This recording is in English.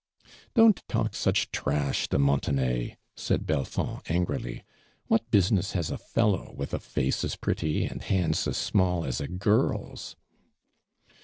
•'Don't talk sneh trash, de Montenay I'" MJ.l Helfond, angrily. "Wiiat l)Usinesshasa fellow with a face as pretty and hands as >niall as a girl's?''